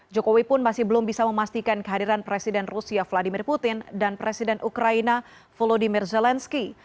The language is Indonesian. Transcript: jokowi pun masih belum bisa memastikan kehadiran presiden rusia vladimir putin dan presiden ukraina volodymyr zelensky